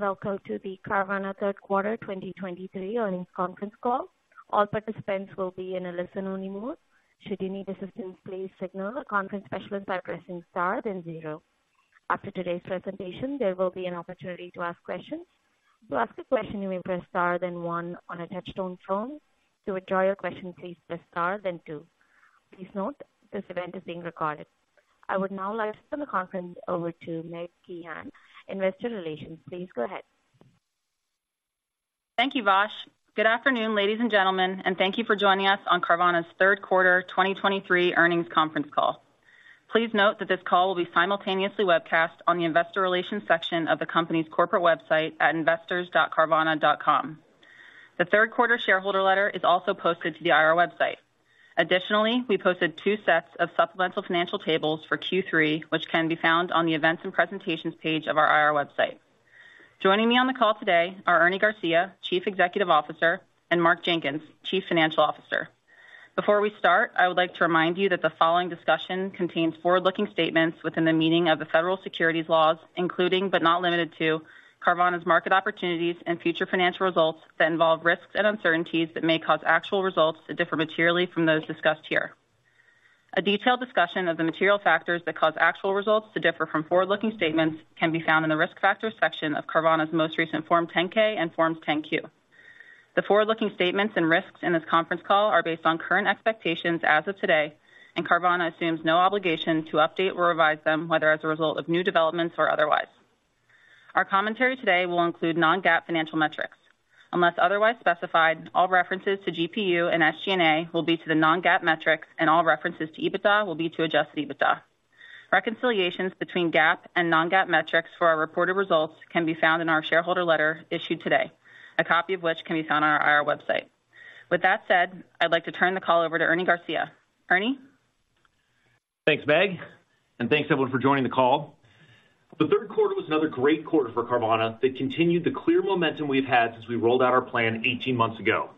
Welcome to the Carvana third quarter 2023 earnings conference call. All participants will be in a listen-only mode. Should you need assistance, please signal a conference specialist by pressing star, then zero. After today's presentation, there will be an opportunity to ask questions. To ask a question, you may press star, then one on a touch-tone phone. To withdraw your question, please press star, then two. Please note, this event is being recorded. I would now like to turn the conference over to Meg Kehan, Investor Relations. Please go ahead. Thank you, Vash. Good afternoon, ladies and gentlemen, and thank you for joining us on Carvana's third quarter 2023 earnings conference call. Please note that this call will be simultaneously webcast on the investor relations section of the company's corporate website at investors.carvana.com. The third quarter shareholder letter is also posted to the IR website. Additionally, we posted two sets of supplemental financial tables for Q3, which can be found on the Events and Presentations page of our IR website. Joining me on the call today are Ernie Garcia, Chief Executive Officer, and Mark Jenkins, Chief Financial Officer. Before we start, I would like to remind you that the following discussion contains forward-looking statements within the meaning of the federal securities laws, including, but not limited to, Carvana's market opportunities and future financial results that involve risks and uncertainties that may cause actual results to differ materially from those discussed here. A detailed discussion of the material factors that cause actual results to differ from forward-looking statements can be found in the Risk Factors section of Carvana's most recent Form 10-K and Forms 10-Q. The forward-looking statements and risks in this conference call are based on current expectations as of today, and Carvana assumes no obligation to update or revise them, whether as a result of new developments or otherwise. Our commentary today will include non-GAAP financial metrics. Unless otherwise specified, all references to GPU and SG&A will be to the non-GAAP metrics, and all references to EBITDA will be to adjusted EBITDA. Reconciliations between GAAP and non-GAAP metrics for our reported results can be found in our shareholder letter issued today, a copy of which can be found on our IR website. With that said, I'd like to turn the call over to Ernie Garcia. Ernie? Thanks, Meg, and thanks, everyone, for joining the call. The third quarter was another great quarter for Carvana that continued the clear momentum we've had since we rolled out our plan 18 months ago.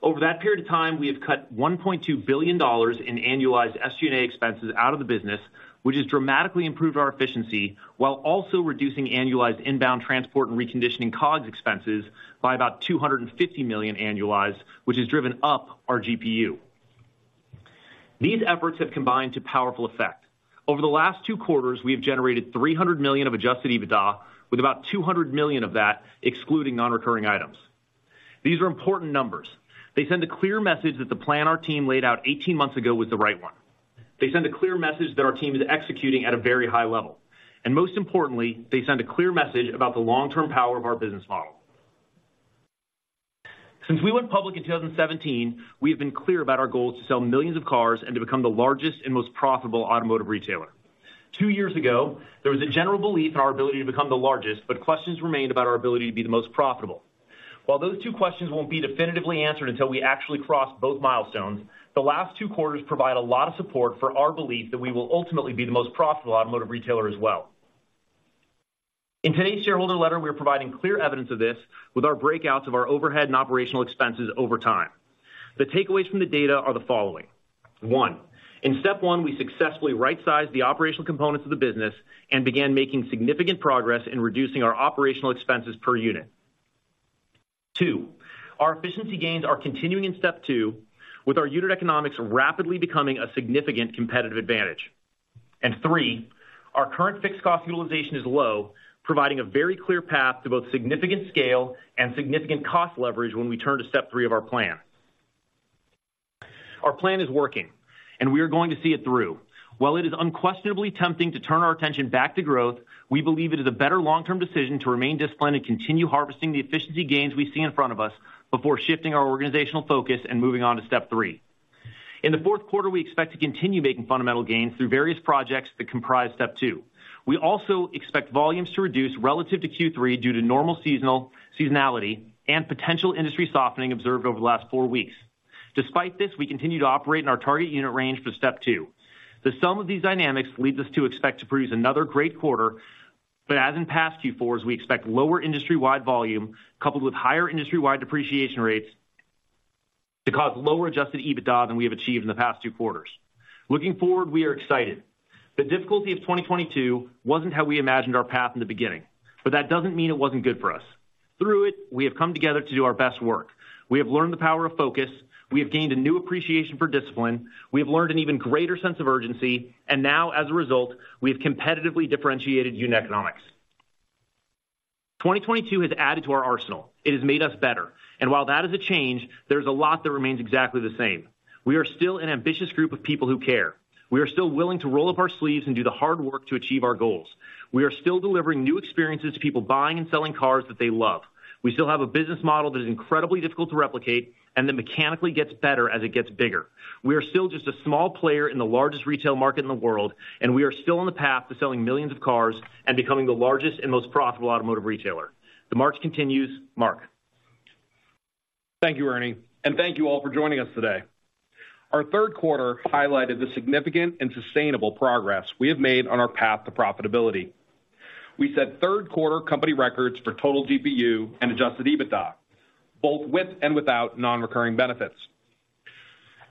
Over that period of time, we have cut $1.2 billion in annualized SG&A expenses out of the business, which has dramatically improved our efficiency, while also reducing annualized inbound transport and reconditioning COGS expenses by about $250 million annualized, which has driven up our GPU. These efforts have combined to powerful effect. Over the last two quarters, we have generated $300 million of adjusted EBITDA, with about $200 million of that excluding non-recurring items. These are important numbers. They send a clear message that the plan our team laid out 18 months ago was the right one. They send a clear message that our team is executing at a very high level, and most importantly, they send a clear message about the long-term power of our business model. Since we went public in 2017, we have been clear about our goals to sell millions of cars and to become the largest and most profitable automotive retailer. Two years ago, there was a general belief in our ability to become the largest, but questions remained about our ability to be the most profitable. While those two questions won't be definitively answered until we actually cross both milestones, the last two quarters provide a lot of support for our belief that we will ultimately be the most profitable automotive retailer as well. In today's shareholder letter, we are providing clear evidence of this with our breakouts of our overhead and operational expenses over time. The takeaways from the data are the following. One, in Step 1, we successfully right-sized the operational components of the business and began making significant progress in reducing our operational expenses per unit. Two, our efficiency gains are continuing in Step 2, with our unit economics rapidly becoming a significant competitive advantage. And three, our current fixed cost utilization is low, providing a very clear path to both significant scale and significant cost leverage when we turn to Step 3 of our plan. Our plan is working, and we are going to see it through. While it is unquestionably tempting to turn our attention back to growth, we believe it is a better long-term decision to remain disciplined and continue harvesting the efficiency gains we see in front of us before shifting our organizational focus and moving on to Step 3. In the fourth quarter, we expect to continue making fundamental gains through various projects that comprise Step 2. We also expect volumes to reduce relative to Q3 due to normal seasonality and potential industry softening observed over the last four weeks. Despite this, we continue to operate in our target unit range for Step 2. The sum of these dynamics leads us to expect to produce another great quarter, but as in past Q4s, we expect lower industry-wide volume, coupled with higher industry-wide depreciation rates to cause lower adjusted EBITDA than we have achieved in the past two quarters. Looking forward, we are excited. The difficulty of 2022 wasn't how we imagined our path in the beginning, but that doesn't mean it wasn't good for us. Through it, we have come together to do our best work. We have learned the power of focus. We have gained a new appreciation for discipline. We have learned an even greater sense of urgency, and now, as a result, we have competitively differentiated unit economics. 2022 has added to our arsenal. It has made us better, and while that is a change, there's a lot that remains exactly the same. We are still an ambitious group of people who care. We are still willing to roll up our sleeves and do the hard work to achieve our goals. We are still delivering new experiences to people buying and selling cars that they love. We still have a business model that is incredibly difficult to replicate and that mechanically gets better as it gets bigger. We are still just a small player in the largest retail market in the world, and we are still on the path to selling millions of cars and becoming the largest and most profitable automotive retailer. The march continues. Mark? Thank you, Ernie, and thank you all for joining us today. Our third quarter highlighted the significant and sustainable progress we have made on our path to profitability. We set third quarter company records for total GPU and adjusted EBITDA, both with and without non-recurring benefits.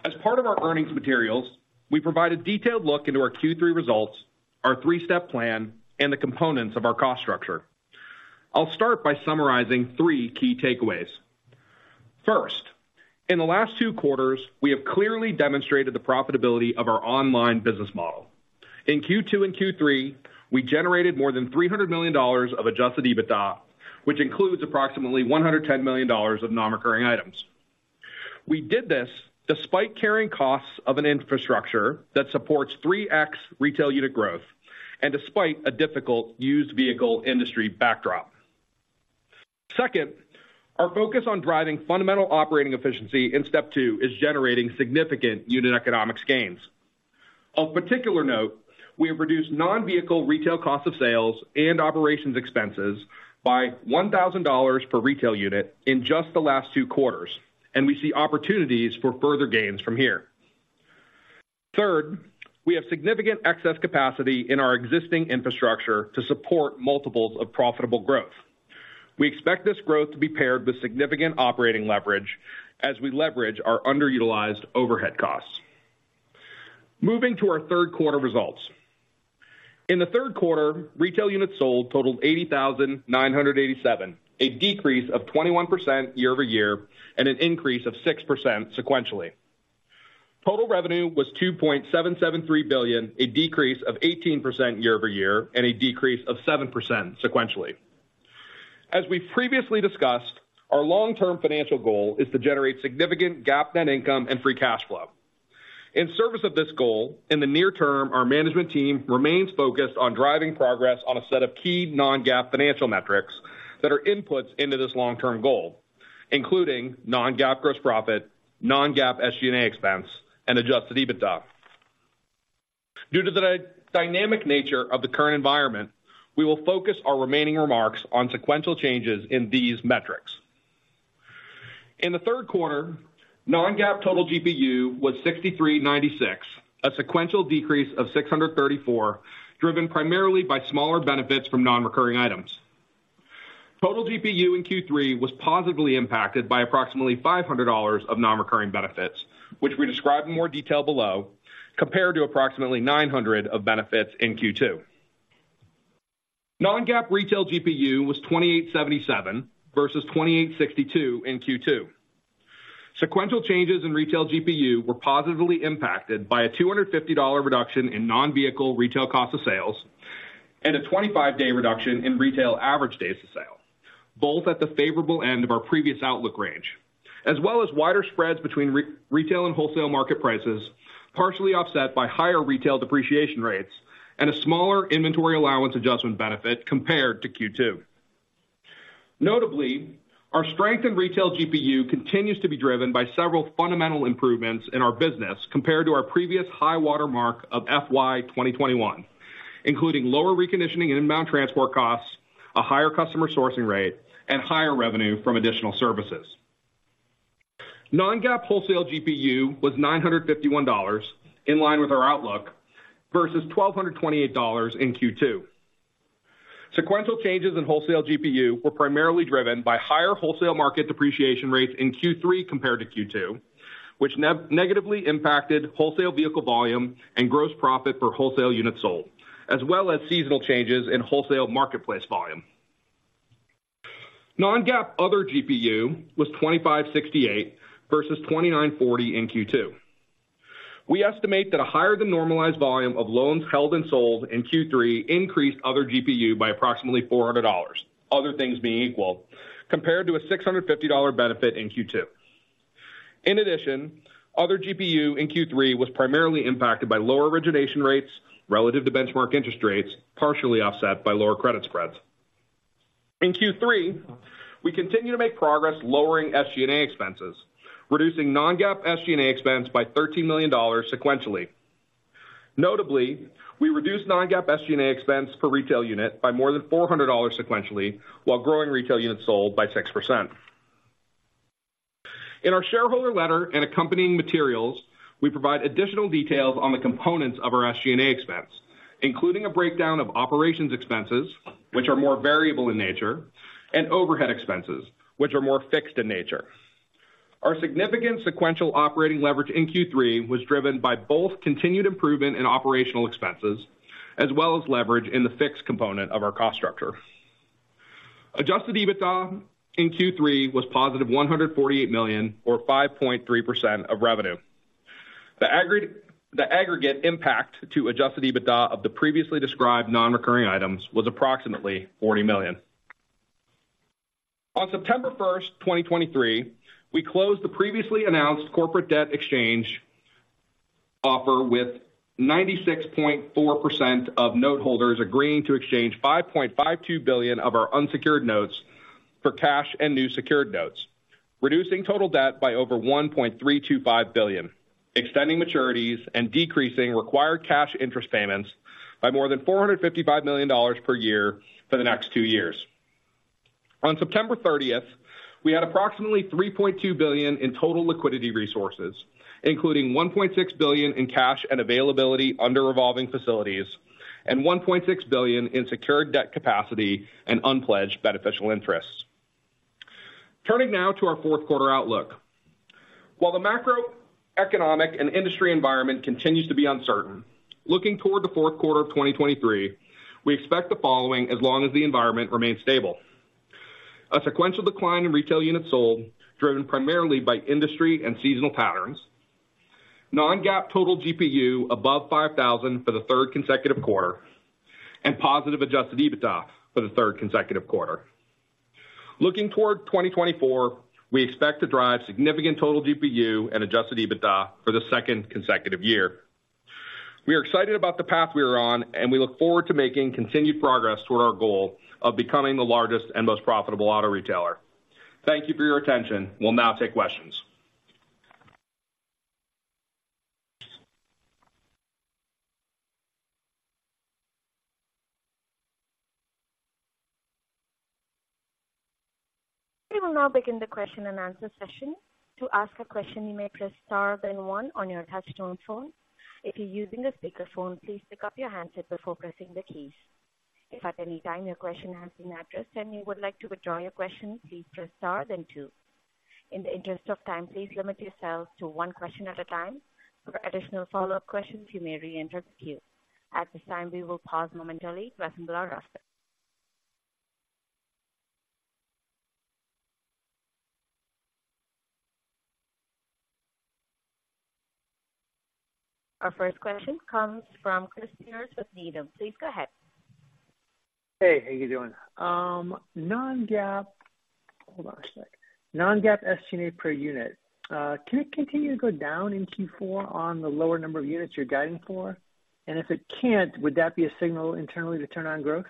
As part of our earnings materials, we provide a detailed look into our Q3 results, our three-step plan, and the components of our cost structure. I'll start by summarizing three key takeaways. First, in the last two quarters, we have clearly demonstrated the profitability of our online business model. In Q2 and Q3, we generated more than $300 million of adjusted EBITDA, which includes approximately $110 million of non-recurring items. We did this despite carrying costs of an infrastructure that supports 3x retail unit growth and despite a difficult used vehicle industry backdrop. Second, our focus on driving fundamental operating efficiency in Step 2 is generating significant unit economics gains. Of particular note, we have reduced non-vehicle retail cost of sales and operations expenses by $1,000 per retail unit in just the last two quarters, and we see opportunities for further gains from here. Third, we have significant excess capacity in our existing infrastructure to support multiples of profitable growth. We expect this growth to be paired with significant operating leverage as we leverage our underutilized overhead costs. Moving to our third quarter results. In the third quarter, retail units sold totaled 80,987, a decrease of 21% year-over-year and an increase of 6% sequentially. Total revenue was $2.773 billion, a decrease of 18% year-over-year, and a decrease of 7% sequentially. As we previously discussed, our long-term financial goal is to generate significant GAAP net income and free cash flow. In service of this goal, in the near term, our management team remains focused on driving progress on a set of key non-GAAP financial metrics that are inputs into this long-term goal, including non-GAAP gross profit, non-GAAP SG&A expense, and adjusted EBITDA. Due to the dynamic nature of the current environment, we will focus our remaining remarks on sequential changes in these metrics. In the third quarter, non-GAAP total GPU was $63.96, a sequential decrease of $634, driven primarily by smaller benefits from non-recurring items. Total GPU in Q3 was positively impacted by approximately $500 of non-recurring benefits, which we describe in more detail below, compared to approximately $900 of benefits in Q2. Non-GAAP retail GPU was $2,877 versus $2,862 in Q2. Sequential changes in retail GPU were positively impacted by a $250 reduction in non-vehicle retail cost of sales and a 25-day reduction in retail average days of sale, both at the favorable end of our previous outlook range, as well as wider spreads between retail and wholesale market prices, partially offset by higher retail depreciation rates and a smaller inventory allowance adjustment benefit compared to Q2. Notably, our strength in retail GPU continues to be driven by several fundamental improvements in our business compared to our previous high watermark of FY 2021, including lower reconditioning and inbound transport costs, a higher customer sourcing rate, and higher revenue from additional services. Non-GAAP wholesale GPU was $951, in line with our outlook, versus $1,228 in Q2. Sequential changes in wholesale GPU were primarily driven by higher wholesale market depreciation rates in Q3 compared to Q2, which negatively impacted wholesale vehicle volume and gross profit per wholesale unit sold, as well as seasonal changes in wholesale marketplace volume. Non-GAAP other GPU was 2,568 versus 2,940 in Q2. We estimate that a higher-than-normalized volume of loans held and sold in Q3 increased other GPU by approximately $400, other things being equal, compared to a $650 benefit in Q2. In addition, other GPU in Q3 was primarily impacted by lower origination rates relative to benchmark interest rates, partially offset by lower credit spreads. In Q3, we continue to make progress lowering SG&A expenses, reducing non-GAAP SG&A expense by $13 million sequentially. Notably, we reduced non-GAAP SG&A expense per retail unit by more than $400 sequentially, while growing retail units sold by 6%. In our shareholder letter and accompanying materials, we provide additional details on the components of our SG&A expense, including a breakdown of operations expenses, which are more variable in nature, and overhead expenses, which are more fixed in nature. Our significant sequential operating leverage in Q3 was driven by both continued improvement in operational expenses, as well as leverage in the fixed component of our cost structure. Adjusted EBITDA in Q3 was positive $148 million or 5.3% of revenue. The aggregate impact to adjusted EBITDA of the previously described non-recurring items was approximately $40 million. On September 1, 2023, we closed the previously announced corporate debt exchange offer with 96.4% of noteholders agreeing to exchange $5.52 billion of our unsecured notes for cash and new secured notes, reducing total debt by over $1.325 billion, extending maturities and decreasing required cash interest payments by more than $455 million per year for the next two years. On September 30, we had approximately $3.2 billion in total liquidity resources, including $1.6 billion in cash and availability under revolving facilities and $1.6 billion in secured debt capacity and unpledged beneficial interests. Turning now to our fourth quarter outlook. While the macroeconomic and industry environment continues to be uncertain, looking toward the fourth quarter of 2023, we expect the following as long as the environment remains stable. A sequential decline in retail units sold, driven primarily by industry and seasonal patterns, non-GAAP total GPU above 5,000 for the third consecutive quarter, and positive adjusted EBITDA for the third consecutive quarter. Looking toward 2024, we expect to drive significant total GPU and adjusted EBITDA for the second consecutive year. We are excited about the path we are on, and we look forward to making continued progress toward our goal of becoming the largest and most profitable auto retailer. Thank you for your attention. We'll now take questions. We will now begin the question-and-answer session. To ask a question, you may press star then one on your touch-tone phone. If you're using a speakerphone, please pick up your handset before pressing the keys. If at any time your question has been addressed, and you would like to withdraw your question, please press star then two. In the interest of time, please limit yourselves to one question at a time. For additional follow-up questions, you may reenter queue. At this time, we will pause momentarily to assemble our roster. Our first question comes from Chris Pierce with Needham. Please go ahead. Hey, how are you doing? Non-GAAP, hold on a sec, non-GAAP SG&A per unit, can it continue to go down in Q4 on the lower number of units you're guiding for? And if it can't, would that be a signal internally to turn on growth?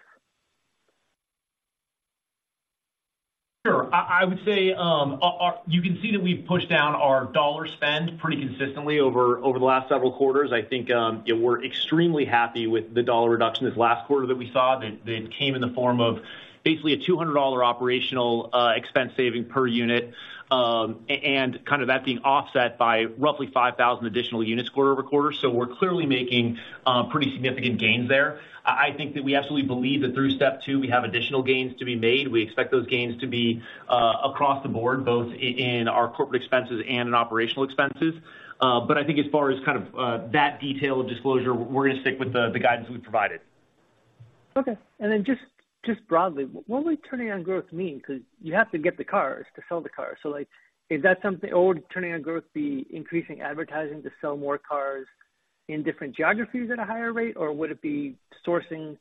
Sure. I would say our. You can see that we've pushed down our dollar spend pretty consistently over the last several quarters. I think, yeah, we're extremely happy with the dollar reduction this last quarter that we saw. That came in the form of basically a $200 operational expense saving per unit, and kind of that being offset by roughly 5,000 additional units quarter-over-quarter. So we're clearly making pretty significant gains there. I think that we absolutely believe that through Step 2, we have additional gains to be made. We expect those gains to be across the board, both in our corporate expenses and in operational expenses. But I think as far as kind of that detail of disclosure, we're going to stick with the guidance we've provided. Okay. And then just, just broadly, what would turning on growth mean? Because you have to get the cars to sell the cars. So, like, is that something, or would turning on growth be increasing advertising to sell more cars in different geographies at a higher rate, or would it be sourcing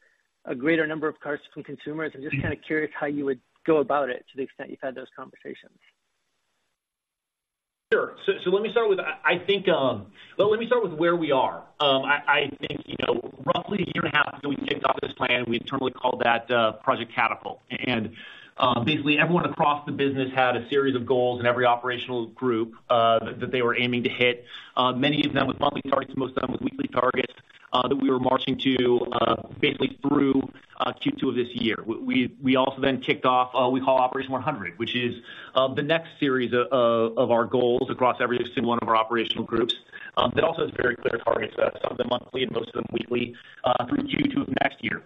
a greater number of cars from consumers? I'm just kinda curious how you would go about it, to the extent you've had those conversations. Sure. Well, let me start with where we are. I think, you know, roughly a year and a half ago, we kicked off this plan. We internally called that Project Catapult. Basically, everyone across the business had a series of goals in every operational group that they were aiming to hit. Many of them with monthly targets, most of them with weekly targets that we were marching to basically through Q2 of this year. We also then kicked off, we call Operation 100, which is the next series of our goals across every single one of our operational groups that also has very clear targets, some of them monthly and most of them weekly through Q2 of next year.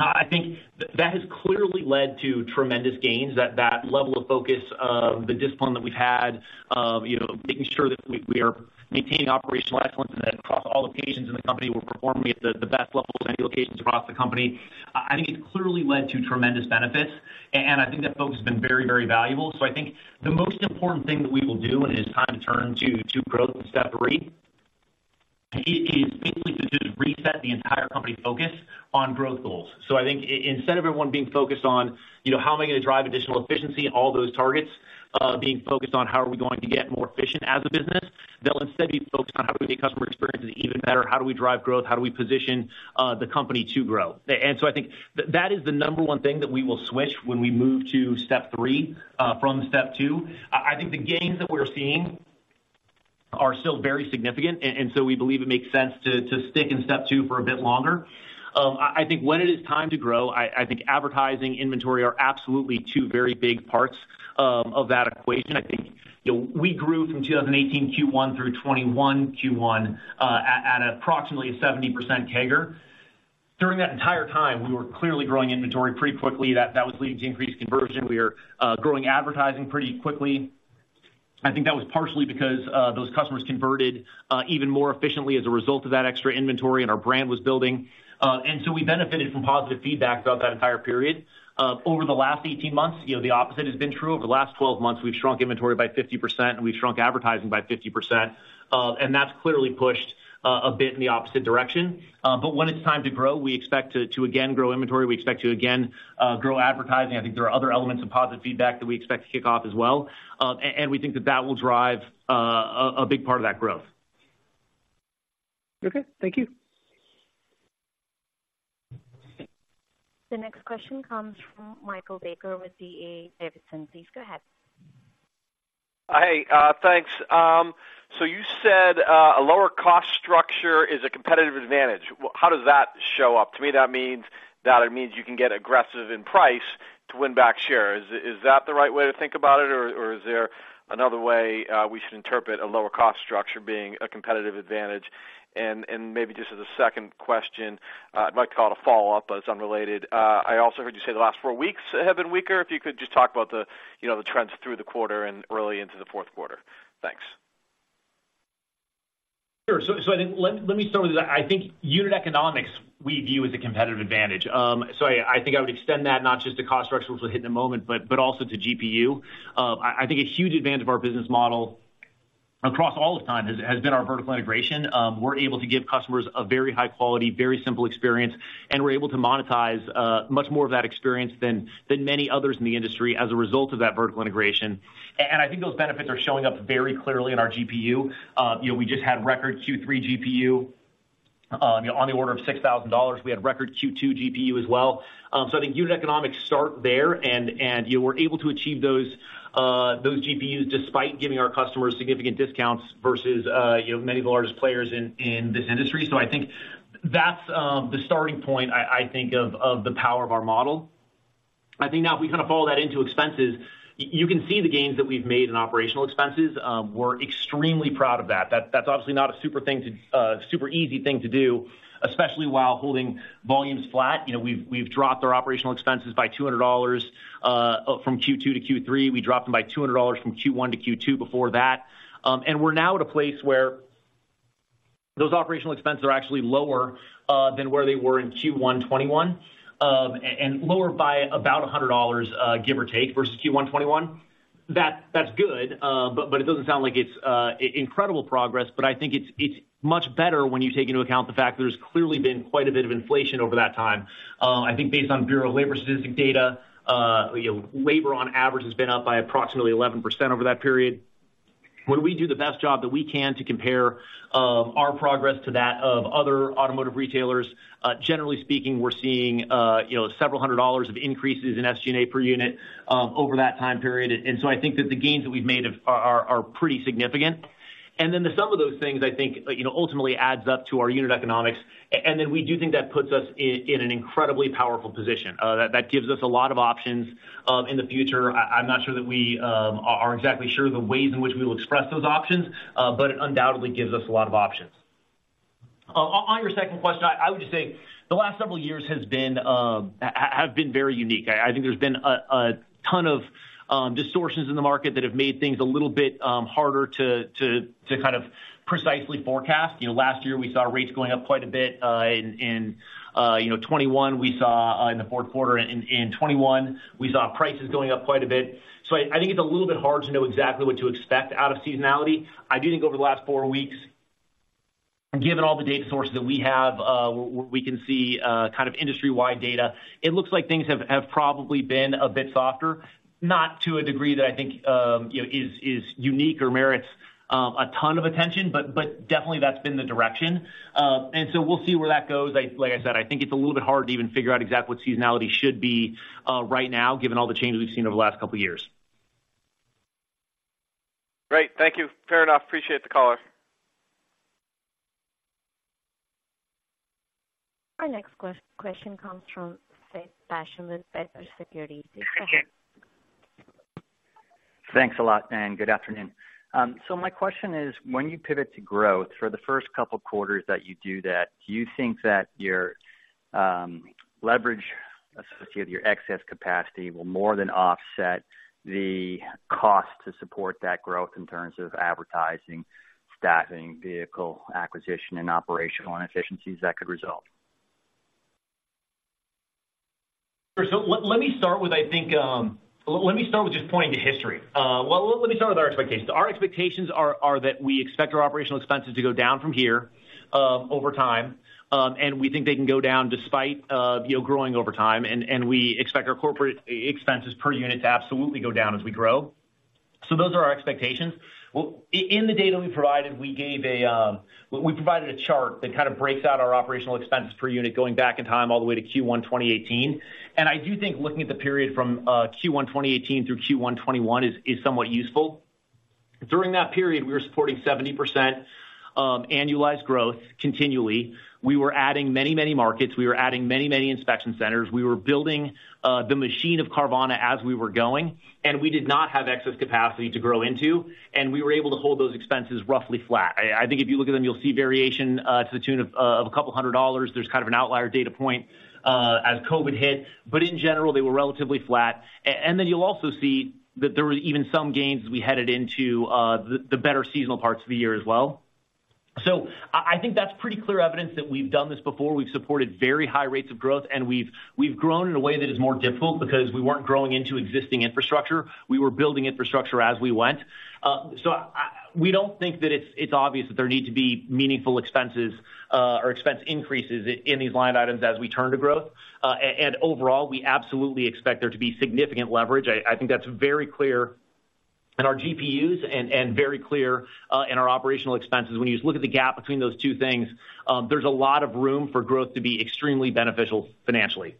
I think that has clearly led to tremendous gains, that level of focus of the discipline that we've had, you know, making sure that we are maintaining operational excellence and that across all locations in the company, we're performing at the best levels in any locations across the company. I think it's clearly led to tremendous benefits, and I think that focus has been very, very valuable. So I think the most important thing that we will do when it is time to turn to growth in Step 3 is basically to just reset the entire company focus on growth goals. So I think instead of everyone being focused on, you know, how am I going to drive additional efficiency and all those targets, being focused on how are we going to get more efficient as a business, they'll instead be focused on how do we make customer experiences even better? How do we drive growth? How do we position the company to grow? And so I think that is the number one thing that we will switch when we move to Step 3 from Step 2. I think the gains that we're seeing are still very significant, and so we believe it makes sense to stick in Step 2 for a bit longer. I think when it is time to grow, I think advertising, inventory are absolutely two very big parts of that equation. I think, you know, we grew from 2018 Q1 through 2021 Q1 at approximately 70% CAGR. During that entire time, we were clearly growing inventory pretty quickly. That was leading to increased conversion. We were growing advertising pretty quickly. I think that was partially because those customers converted even more efficiently as a result of that extra inventory and our brand was building. And so we benefited from positive feedback throughout that entire period. Over the last 18 months, you know, the opposite has been true. Over the last 12 months, we've shrunk inventory by 50%, and we've shrunk advertising by 50%. And that's clearly pushed a bit in the opposite direction. But when it's time to grow, we expect to again grow inventory. We expect to again grow advertising. I think there are other elements of positive feedback that we expect to kick off as well. And we think that that will drive a big part of that growth. Okay, thank you. The next question comes from Michael Baker with D.A. Davidson. Please go ahead. Hey, thanks. So you said a lower cost structure is a competitive advantage. How does that show up? To me, that means that it means you can get aggressive in price to win back shares. Is that the right way to think about it, or is there another way we should interpret a lower cost structure being a competitive advantage? And maybe just as a second question, I'd like to call it a follow-up, but it's unrelated. I also heard you say the last four weeks have been weaker. If you could just talk about the you know the trends through the quarter and early into the fourth quarter. Thanks. Sure. So, I think, let me start with this. I think unit economics we view as a competitive advantage. So, I think I would extend that not just to cost structure, which we'll hit in a moment, but also to GPU. I think a huge advantage of our business model across all the time has been our vertical integration. We're able to give customers a very high quality, very simple experience, and we're able to monetize much more of that experience than many others in the industry as a result of that vertical integration. And I think those benefits are showing up very clearly in our GPU. You know, we just had record Q3 GPU on the order of $6,000. We had record Q2 GPU as well. So I think unit economics start there, and we're able to achieve those GPUs despite giving our customers significant discounts versus, you know, many of the largest players in this industry. So I think that's the starting point, I think, of the power of our model. I think now if we kind of follow that into expenses, you can see the gains that we've made in operational expenses. We're extremely proud of that. That's obviously not a super easy thing to do, especially while holding volumes flat. You know, we've dropped our operational expenses by $200 from Q2 to Q3. We dropped them by $200 from Q1 to Q2 before that. And we're now at a place where those operational expenses are actually lower than where they were in Q1 2021, and lower by about $100, give or take, versus Q1 2021. That's good, but it doesn't sound like it's incredible progress, but I think it's much better when you take into account the fact that there's clearly been quite a bit of inflation over that time. I think based on Bureau of Labor Statistics data, you know, labor, on average, has been up by approximately 11% over that period. When we do the best job that we can to compare our progress to that of other automotive retailers, generally speaking, we're seeing, you know, several hundred dollars of increases in SG&A per unit over that time period. So I think that the gains that we've made are pretty significant. And then the sum of those things, I think, you know, ultimately adds up to our unit economics. And then we do think that puts us in an incredibly powerful position that gives us a lot of options in the future. I'm not sure that we are exactly sure the ways in which we will express those options, but it undoubtedly gives us a lot of options. On your second question, I would just say the last several years have been very unique. I think there's been a ton of distortions in the market that have made things a little bit harder to kind of precisely forecast. You know, last year, we saw rates going up quite a bit in 2021. We saw in the fourth quarter in 2021, we saw prices going up quite a bit. So I think it's a little bit hard to know exactly what to expect out of seasonality. I do think over the last four weeks, given all the data sources that we have, where we can see kind of industry-wide data, it looks like things have probably been a bit softer, not to a degree that I think you know is unique or merits a ton of attention, but definitely that's been the direction. And so we'll see where that goes. Like I said, I think it's a little bit hard to even figure out exactly what seasonality should be right now, given all the changes we've seen over the last couple of years. Great. Thank you. Fair enough. Appreciate the color. Our next question comes from Seth Basham with Wedbush Securities. Thanks a lot, and good afternoon. So my question is, when you pivot to growth for the first couple of quarters that you do that, do you think that your leverage associated, your excess capacity, will more than offset the cost to support that growth in terms of advertising, staffing, vehicle acquisition, and operational inefficiencies that could result? Let me start with, I think, let me start with just pointing to history. Well, let me start with our expectations. Our expectations are that we expect our operational expenses to go down from here, over time, and we think they can go down despite, you know, growing over time, and we expect our corporate expenses per unit to absolutely go down as we grow. So those are our expectations. Well, in the data we provided, we gave a, we provided a chart that kind of breaks out our operational expenses per unit going back in time, all the way to Q1 2018. And I do think looking at the period from Q1 2018 through Q1 2021 is somewhat useful. During that period, we were supporting 70% annualized growth continually. We were adding many, many markets. We were adding many, many inspection centers. We were building the machine of Carvana as we were going, and we did not have excess capacity to grow into, and we were able to hold those expenses roughly flat. I think if you look at them, you'll see variation to the tune of a couple of hundred dollars. There's kind of an outlier data point as COVID hit, but in general, they were relatively flat. And then you'll also see that there were even some gains as we headed into the better seasonal parts of the year as well. So I think that's pretty clear evidence that we've done this before. We've supported very high rates of growth, and we've grown in a way that is more difficult because we weren't growing into existing infrastructure. We were building infrastructure as we went. So we don't think that it's obvious that there need to be meaningful expenses or expense increases in these line items as we turn to growth. And overall, we absolutely expect there to be significant leverage. I think that's very clear in our GPUs and very clear in our operational expenses. When you just look at the gap between those two things, there's a lot of room for growth to be extremely beneficial financially.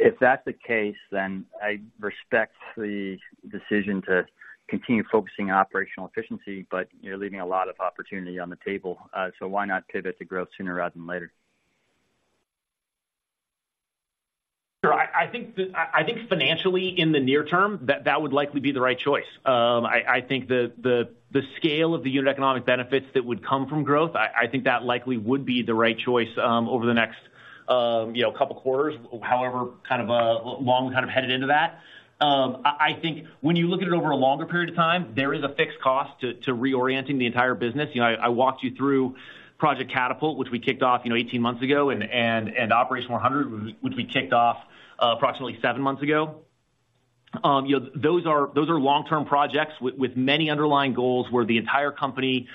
If that's the case, then I respect the decision to continue focusing on operational efficiency, but you're leaving a lot of opportunity on the table. So why not pivot to growth sooner rather than later? Sure. I think financially, in the near term, that would likely be the right choice. I think the scale of the unit economic benefits that would come from growth, I think that likely would be the right choice, over the next, you know, a couple quarters, however, kind of long headed into that. I think when you look at it over a longer period of time, there is a fixed cost to reorienting the entire business. You know, I walked you through Project Catapult, which we kicked off, you know, 18 months ago, and Operation 100, which we kicked off, approximately seven months ago. You know, those are long-term projects with many underlying goals, where the entire company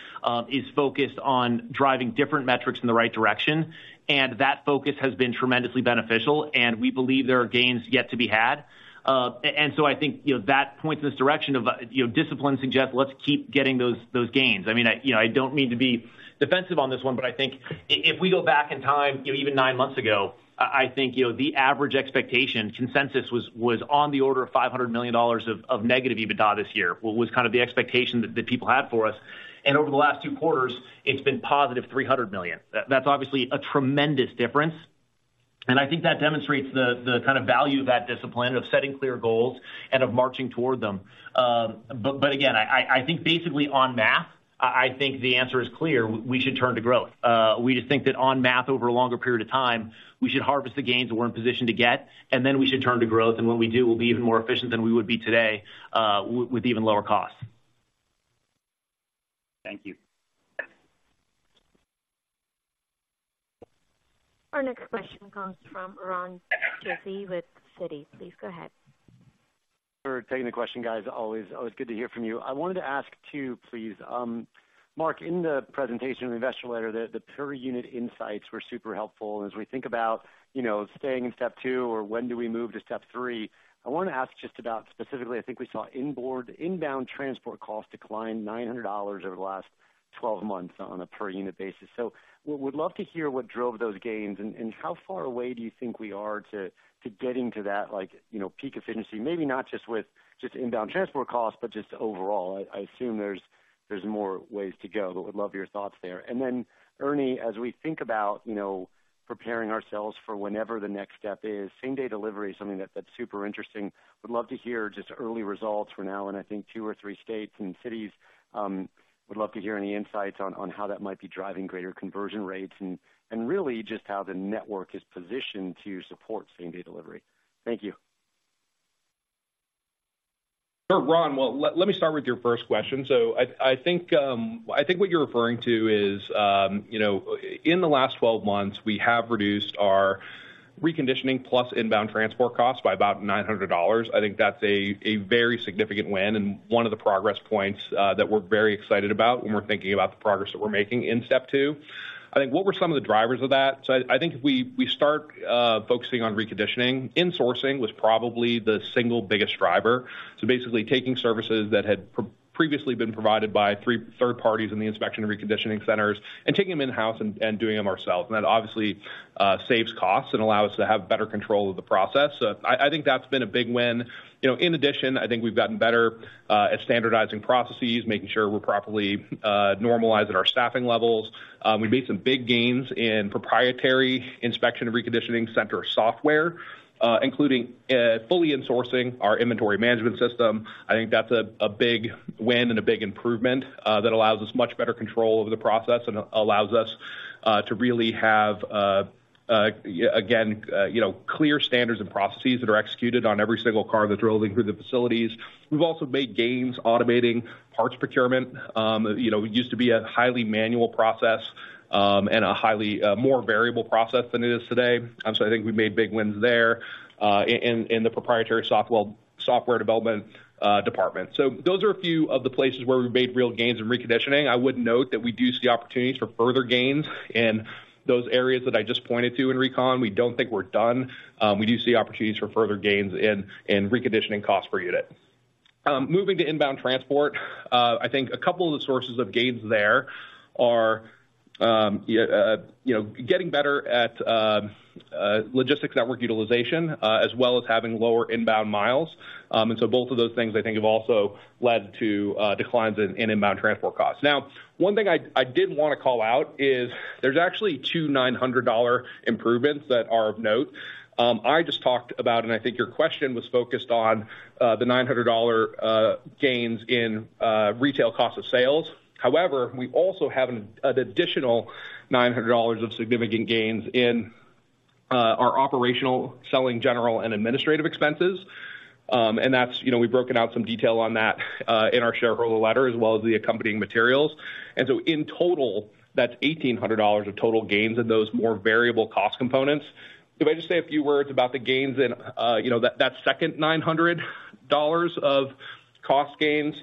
is focused on driving different metrics in the right direction, and that focus has been tremendously beneficial, and we believe there are gains yet to be had. And so I think, you know, that points in this direction of, you know, discipline suggests, let's keep getting those gains. I mean, you know, I don't mean to be defensive on this one, but I think if we go back in time, you know, even nine months ago, I think, you know, the average expectation consensus was on the order of $500 million of negative EBITDA this year, was kind of the expectation that people had for us. And over the last two quarters, it's been positive $300 million. That's obviously a tremendous difference, and I think that demonstrates the kind of value of that discipline, of setting clear goals and of marching toward them. But again, I think basically on math, I think the answer is clear: we should turn to growth. We just think that on math, over a longer period of time, we should harvest the gains that we're in position to get, and then we should turn to growth. And when we do, we'll be even more efficient than we would be today, with even lower costs. Thank you. Our next question comes from Ron Josey with Citi. Please go ahead. Thanks for taking the question, guys. Always, always good to hear from you. I wanted to ask two, please. Mark, in the presentation of the investor letter, the per unit insights were super helpful. As we think about, you know, staying in Step 2 or when do we move to Step 3, I want to ask just about specifically, I think we saw inbound transport costs decline $900 over the last 12 months on a per unit basis. So we would love to hear what drove those gains, and how far away do you think we are to getting to that, like, you know, peak efficiency? Maybe not just with inbound transport costs, but just overall. I assume there's more ways to go, but would love your thoughts there. And then, Ernie, as we think about, you know, preparing ourselves for whenever the next step is, same-day delivery is something that, that's super interesting. Would love to hear just early results for now, and I think two or three states and cities, would love to hear any insights on, on how that might be driving greater conversion rates and, and really just how the network is positioned to support same-day delivery. Thank you. Sure, Ron. Well, let me start with your first question. So I think what you're referring to is, you know, in the last 12 months, we have reduced our reconditioning plus inbound transport costs by about $900. I think that's a very significant win and one of the progress points that we're very excited about when we're thinking about the progress that we're making in Step 2. I think, what were some of the drivers of that? So I think if we start focusing on reconditioning, insourcing was probably the single biggest driver. So basically taking services that had previously been provided by third parties in the inspection reconditioning centers and taking them in-house and doing them ourselves. And that obviously saves costs and allows us to have better control of the process. So I think that's been a big win. You know, in addition, I think we've gotten better at standardizing processes, making sure we're properly normalized at our staffing levels. We made some big gains in proprietary inspection and reconditioning center software, including fully insourcing our inventory management system. I think that's a big win and a big improvement that allows us much better control over the process and allows us to really have again, you know, clear standards and processes that are executed on every single car that's rolling through the facilities. We've also made gains automating parts procurement. You know, it used to be a highly manual process and a highly more variable process than it is today. And so I think we've made big wins there in the proprietary software, software development department. So those are a few of the places where we've made real gains in reconditioning. I would note that we do see opportunities for further gains in those areas that I just pointed to in recon. We don't think we're done. We do see opportunities for further gains in reconditioning costs per unit. Moving to inbound transport, I think a couple of the sources of gains there are you know, getting better at logistics network utilization, as well as having lower inbound miles. And so both of those things, I think, have also led to declines in inbound transport costs. Now, one thing I did want to call out is there's actually two $900 improvements that are of note. I just talked about, and I think your question was focused on, the $900 gains in retail cost of sales. However, we also have an additional $900 of significant gains in our operational selling, general and administrative expenses. And that's, you know, we've broken out some detail on that, in our shareholder letter, as well as the accompanying materials. And so in total, that's $1,800 of total gains in those more variable cost components. If I just say a few words about the gains in, you know, that second $900 of cost gains,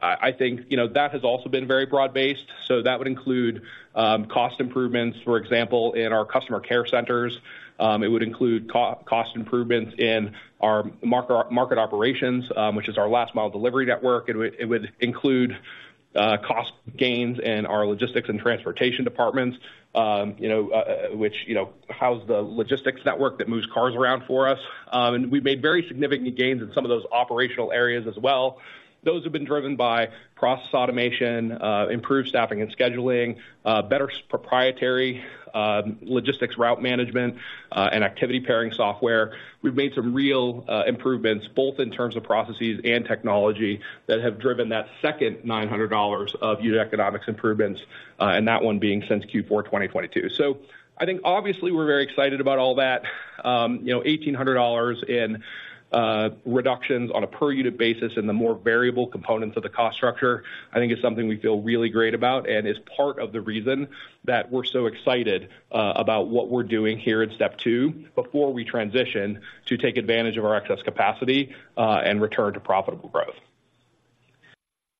I think, you know, that has also been very broad-based. So that would include cost improvements, for example, in our customer care centers. It would include cost improvements in our market operations, which is our last mile delivery network. It would include cost gains in our logistics and transportation departments, you know, which you know house the logistics network that moves cars around for us. And we've made very significant gains in some of those operational areas as well. Those have been driven by process automation, improved staffing and scheduling, better proprietary logistics route management, and activity pairing software. We've made some real improvements, both in terms of processes and technology, that have driven that second $900 of unit economics improvements, and that one being since Q4 2022. So I think obviously, we're very excited about all that. You know, $1,800 in reductions on a per unit basis and the more variable components of the cost structure, I think is something we feel really great about, and is part of the reason that we're so excited about what we're doing here in Step 2, before we transition to take advantage of our excess capacity and return to profitable growth.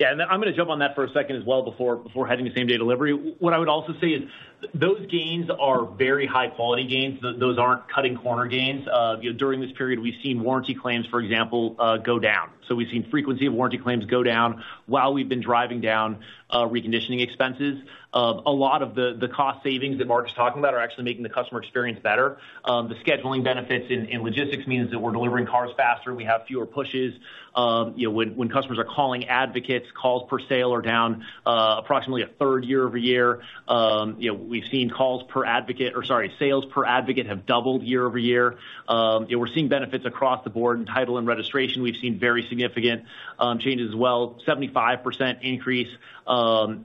Yeah, and I'm gonna jump on that for a second as well before heading to same-day delivery. What I would also say is those gains are very high-quality gains. Those aren't cutting corner gains. You know, during this period, we've seen warranty claims, for example, go down. So we've seen frequency of warranty claims go down while we've been driving down reconditioning expenses. A lot of the cost savings that Mark is talking about are actually making the customer experience better. The scheduling benefits in logistics means that we're delivering cars faster, and we have fewer pushes. You know, when customers are calling advocates, calls per sale are down approximately a third year-over-year. You know, we've seen calls per advocate, or sorry, sales per advocate have doubled year-over-year. Yeah, we're seeing benefits across the board. In title and registration, we've seen very significant changes as well. 75% increase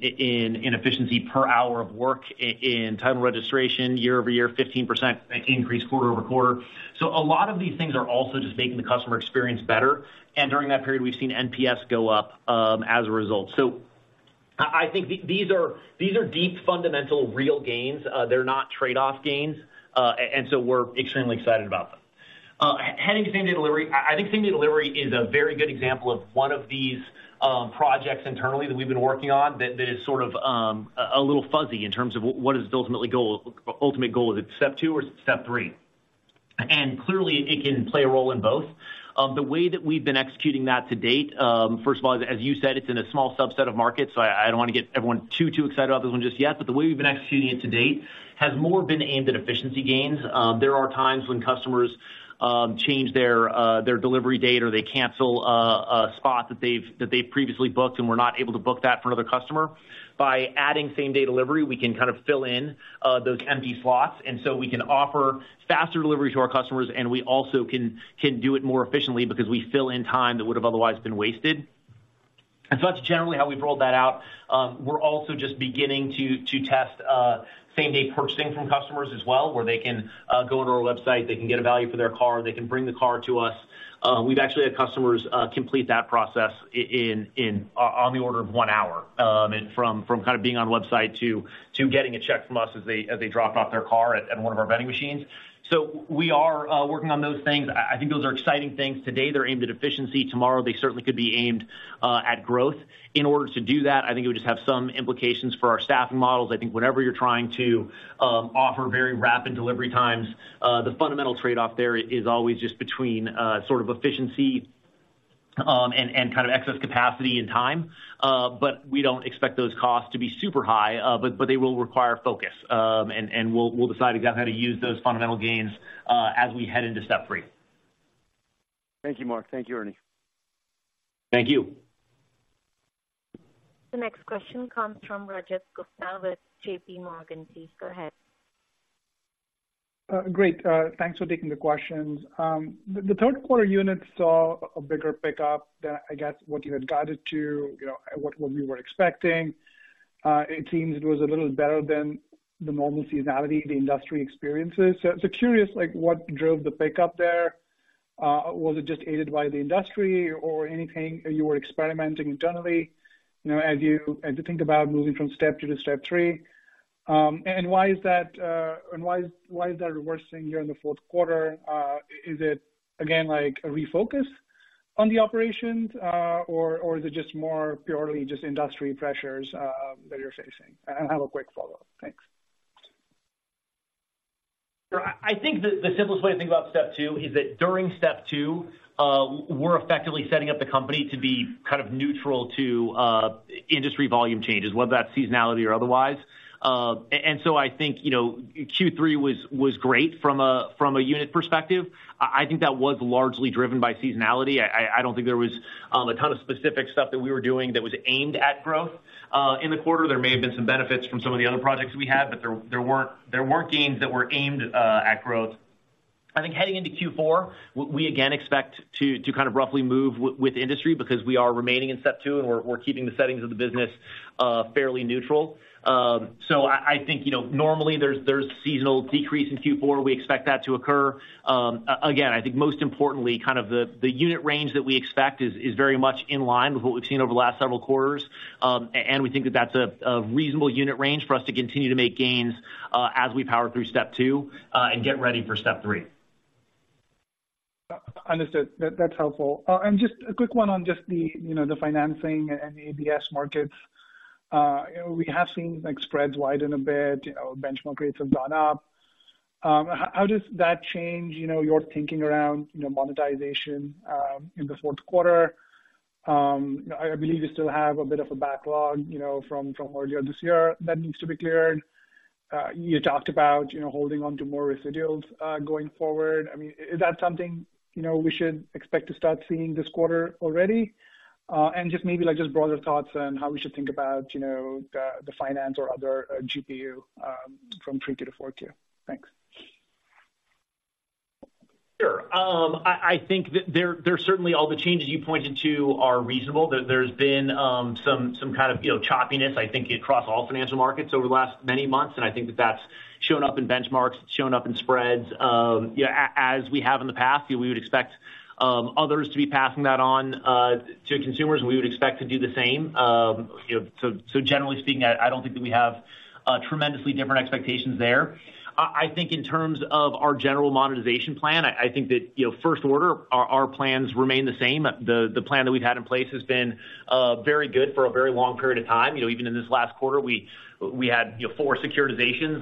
in efficiency per hour of work in title and registration, year-over-year, 15% increase quarter-over-quarter. So a lot of these things are also just making the customer experience better, and during that period, we've seen NPS go up as a result. So I think these are deep, fundamental, real gains. They're not trade-off gains, and so we're extremely excited about them. Heading to same-day delivery, I think same-day delivery is a very good example of one of these projects internally that we've been working on, that is sort of a little fuzzy in terms of what is the ultimate goal, ultimate goal. Is it Step 2 or is it Step 3? Clearly, it can play a role in both. The way that we've been executing that to date, first of all, as you said, it's in a small subset of markets, so I, I don't want to get everyone too, too excited about this one just yet. The way we've been executing it to date has more been aimed at efficiency gains. There are times when customers change their, their delivery date, or they cancel a spot that they've, that they've previously booked, and we're not able to book that for another customer. By adding same-day delivery, we can kind of fill in those empty slots, and so we can offer faster delivery to our customers, and we also can do it more efficiently because we fill in time that would have otherwise been wasted. So that's generally how we've rolled that out. We're also just beginning to test same-day purchasing from customers as well, where they can go on our website, they can get a value for their car, they can bring the car to us. We've actually had customers complete that process in on the order of one hour, and from kind of being on a website to getting a check from us as they drop off their car at one of our vending machines. So we are working on those things. I think those are exciting things. Today, they're aimed at efficiency. Tomorrow, they certainly could be aimed at growth. In order to do that, I think it would just have some implications for our staffing models. I think whenever you're trying to offer very rapid delivery times, the fundamental trade-off there is always just between sort of efficiency and kind of excess capacity and time. But we don't expect those costs to be super high, but they will require focus. And we'll decide exactly how to use those fundamental gains as we head into Step 3. Thank you, Mark. Thank you, Ernie. Thank you. The next question comes from Rajat Gupta with JPMorgan. Please go ahead. Great. Thanks for taking the questions. The third quarter unit saw a bigger pickup than, I guess, what you had guided to, you know, what we were expecting. It seems it was a little better than the normal seasonality the industry experiences. So curious, like, what drove the pickup there? Was it just aided by the industry or anything you were experimenting internally, you know, as you think about moving from Step 2 to Step 3? And why is that reversing here in the fourth quarter? Is it again, like, a refocus on the operations, or is it just more purely just industry pressures that you're facing? I have a quick follow-up. Thanks. Sure. I think the simplest way to think about Step 2 is that during Step 2, we're effectively setting up the company to be kind of neutral to industry volume changes, whether that's seasonality or otherwise. And so I think, you know, Q3 was great from a unit perspective. I think that was largely driven by seasonality. I don't think there was a ton of specific stuff that we were doing that was aimed at growth in the quarter. There may have been some benefits from some of the other projects we had, but there weren't gains that were aimed at growth. I think heading into Q4, we again expect to kind of roughly move with industry because we are remaining in Step 2, and we're keeping the settings of the business fairly neutral. So I think, you know, normally there's a seasonal decrease in Q4. We expect that to occur. Again, I think most importantly, kind of the unit range that we expect is very much in line with what we've seen over the last several quarters. And we think that that's a reasonable unit range for us to continue to make gains, as we power through Step 2 and get ready for Step 3. Understood. That's helpful. And just a quick one on just the, you know, the financing and the ABS markets. You know, we have seen, like, spreads widen a bit, you know, benchmark rates have gone up. How does that change, you know, your thinking around, you know, monetization, in the fourth quarter? I believe you still have a bit of a backlog, you know, from earlier this year that needs to be cleared. You talked about, you know, holding on to more residuals, going forward. I mean, is that something, you know, we should expect to start seeing this quarter already? And just maybe, like, just broader thoughts on how we should think about, you know, the, the finance or other GPU, from 3Q to 4Q. Thanks. Sure. I think that there are certainly all the changes you pointed to are reasonable. There's been some kind of, you know, choppiness, I think, across all financial markets over the last many months, and I think that that's shown up in benchmarks, it's shown up in spreads. As we have in the past, we would expect others to be passing that on to consumers. We would expect to do the same. You know, so generally speaking, I don't think that we have tremendously different expectations there. I think in terms of our general monetization plan, I think that, you know, first order, our plans remain the same. The plan that we've had in place has been very good for a very long period of time. You know, even in this last quarter, we had, you know, four securitizations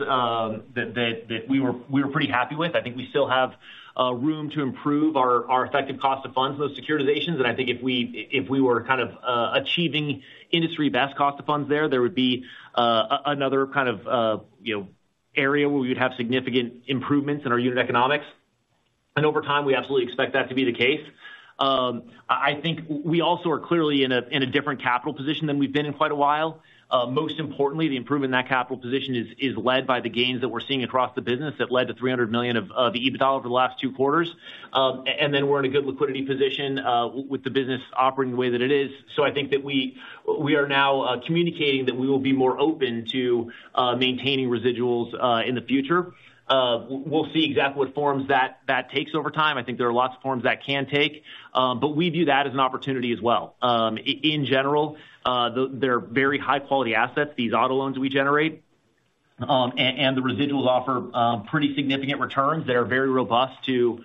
that we were pretty happy with. I think we still have room to improve our effective cost of funds in those securitizations. And I think if we were kind of achieving industry best cost of funds there, there would be another kind of, you know, area where we'd have significant improvements in our unit economics. And over time, we absolutely expect that to be the case. I think we also are clearly in a different capital position than we've been in quite a while. Most importantly, the improvement in that capital position is led by the gains that we're seeing across the business that led to $300 million of EBITDA over the last two quarters. And then we're in a good liquidity position with the business operating the way that it is. So I think that we, we are now communicating that we will be more open to maintaining residuals in the future. We'll see exactly what forms that, that takes over time. I think there are lots of forms that can take, but we view that as an opportunity as well. In general, they're very high-quality assets, these auto loans we generate. And the residuals offer pretty significant returns that are very robust to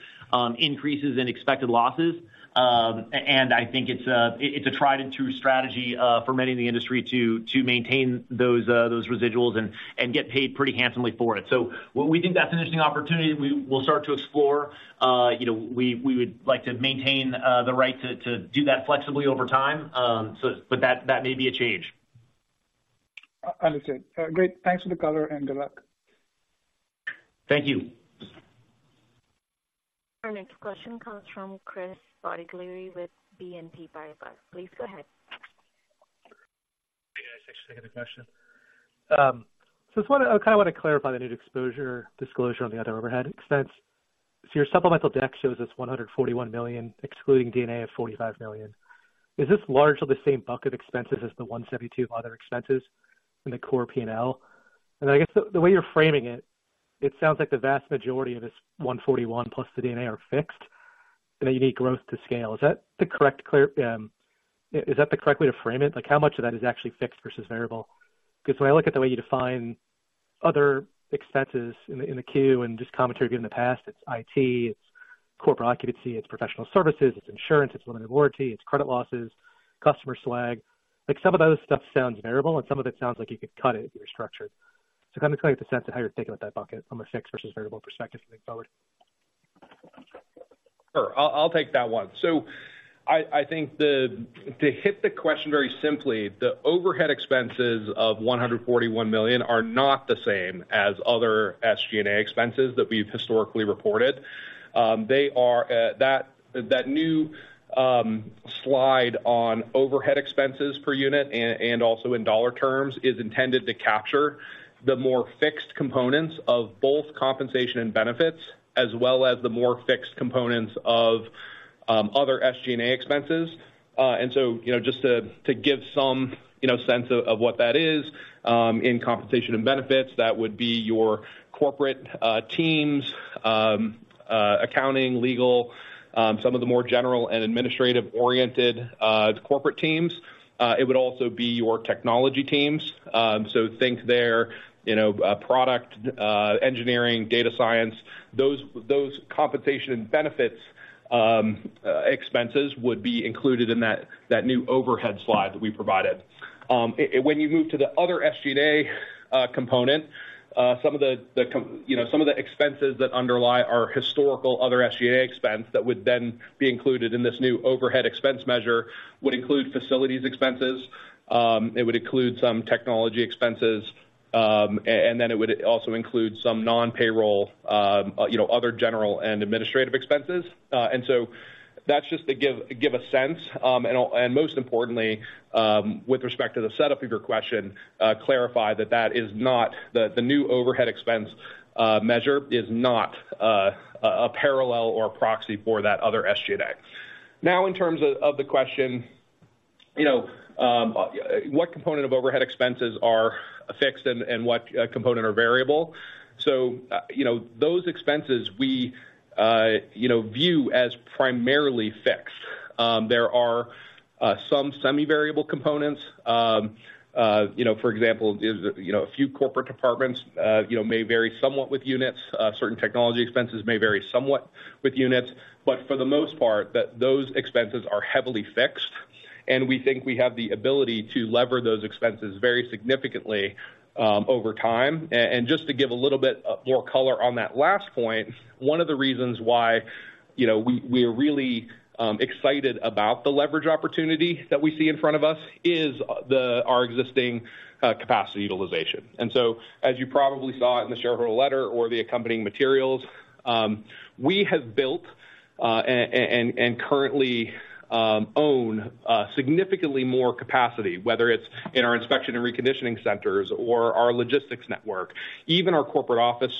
increases in expected losses. And I think it's, it's a tried-and-true strategy for many in the industry to maintain those, those residuals and get paid pretty handsomely for it. So we think that's an interesting opportunity we'll start to explore. You know, we would like to maintain the right to do that flexibly over time. But that may be a change. Understood. Great. Thanks for the color and good luck. Thank you. Our next question comes from Chris Bottiglieri with BNP Paribas. Please go ahead. Hey, guys. Thanks for taking the question. So I just wanna, I kind of wanna clarify the new exposure, disclosure on the other overhead expense. So your supplemental deck shows this $141 million, excluding D&A of $45 million. Is this largely the same bucket expenses as the $172 other expenses in the core P&L? And I guess the, the way you're framing it, it sounds like the vast majority of this $141 million plus the D&A are fixed, and that you need growth to scale. Is that the correct way to frame it? Like, how much of that is actually fixed versus variable? Because when I look at the way you define other expenses in the Q and just commentary given in the past, it's IT, it's corporate occupancy, it's professional services, it's insurance, it's limited warranty, it's credit losses, customer swag. Like, some of those stuff sounds variable, and some of it sounds like you could cut it if you're structured. So kind of give a sense of how you're thinking about that bucket from a fixed versus variable perspective moving forward. Sure. I'll take that one. So I think, to hit the question very simply, the overhead expenses of $141 million are not the same as other SG&A expenses that we've historically reported. They are, that new slide on overhead expenses per unit and also in dollar terms, is intended to capture the more fixed components of both compensation and benefits, as well as the more fixed components of other SG&A expenses. And so, you know, just to give some, you know, sense of what that is, in compensation and benefits, that would be your corporate teams, accounting, legal, some of the more general and administrative-oriented corporate teams. It would also be your technology teams. So think there, you know, product, engineering, data science, those, those compensation and benefits, expenses would be included in that, that new overhead slide that we provided. When you move to the other SG&A component, some of the, you know, some of the expenses that underlie our historical other SG&A expense that would then be included in this new overhead expense measure, would include facilities expenses, it would include some technology expenses, and then it would also include some non-payroll, you know, other general and administrative expenses. And so that's just to give a sense, and most importantly, with respect to the setup of your question, clarify that that is not the new overhead expense measure is not a parallel or a proxy for that other SG&A. Now, in terms of the question, you know, what component of overhead expenses are fixed and what component are variable? So, you know, those expenses we you know view as primarily fixed. There are some semi-variable components. You know, for example, a few corporate departments you know may vary somewhat with units. Certain technology expenses may vary somewhat with units. But for the most part, those expenses are heavily fixed. We think we have the ability to lever those expenses very significantly over time. And just to give a little bit more color on that last point, one of the reasons why, you know, we, we are really excited about the leverage opportunity that we see in front of us is our existing capacity utilization. And so as you probably saw it in the shareholder letter or the accompanying materials, we have built and currently own significantly more capacity, whether it's in our inspection and reconditioning centers or our logistics network, even our corporate office,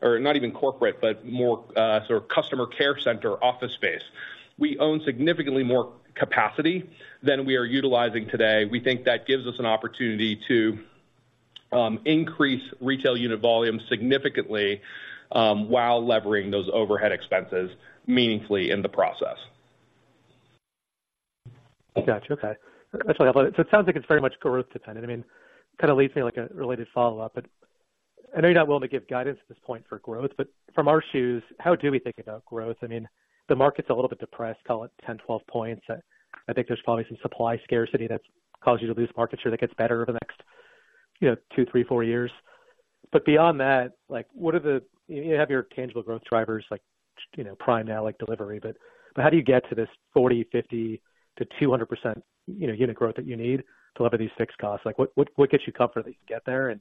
or not even corporate, but more sort of customer care center, office space. We own significantly more capacity than we are utilizing today. We think that gives us an opportunity to increase retail unit volume significantly, while levering those overhead expenses meaningfully in the process. Got you. Okay. So it sounds like it's very much growth dependent. I mean, kind of leads me, like, a related follow-up, but I know you're not willing to give guidance at this point for growth, but from our shoes, how do we think about growth? I mean, the market's a little bit depressed, call it 10-12 points. I think there's probably some supply scarcity that's caused you to lose market share that gets better over the next, you know, two, three, four years. But beyond that, like, what are the, you have your tangible growth drivers like, you know, Prime Now, like delivery, but, but how do you get to this 40%-50% to 200%, you know, unit growth that you need to lever these fixed costs? Like, what, what, what gets you comfortable that you can get there?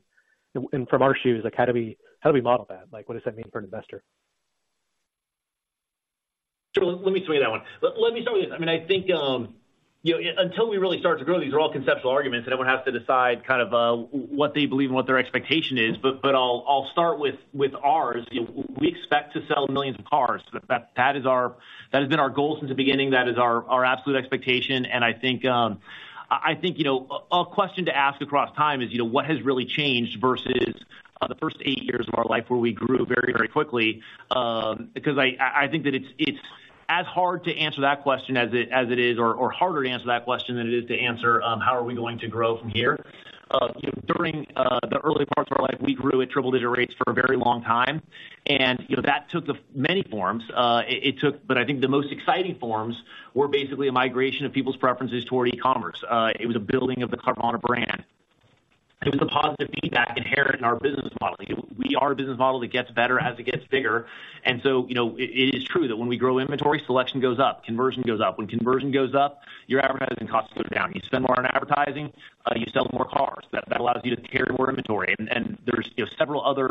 From our shoes, like, how do we model that? Like, what does that mean for an investor? Sure. Let me tell you that one. Let me start with this. I mean, I think, you know, until we really start to grow, these are all conceptual arguments, and everyone has to decide kind of what they believe and what their expectation is. But I'll start with ours. You know, we expect to sell millions of cars. That is our, that has been our goal since the beginning. That is our absolute expectation. And I think, you know, a question to ask across time is, you know, what has really changed versus the first eight years of our life where we grew very, very quickly? Because I think that it's as hard to answer that question as it is, or harder to answer that question than it is to answer how are we going to grow from here? You know, during the early parts of our life, we grew at triple-digit rates for a very long time, and, you know, that took many forms. But I think the most exciting forms were basically a migration of people's preferences toward e-commerce. It was a building of the Carvana brand. It was a positive feedback inherent in our business model. We are a business model that gets better as it gets bigger, and so, you know, it is true that when we grow inventory, selection goes up, conversion goes up. When conversion goes up, your advertising costs go down. You spend more on advertising, you sell more cars. That allows you to carry more inventory, and there's, you know, several other